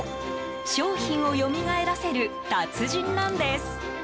商品をよみがえらせる達人なんです。